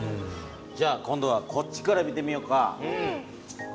じゃあ今度はこっちから見てみようか。